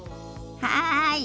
はい！